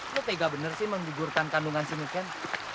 so lo tega bener sih menggugurkan kandungan si nuken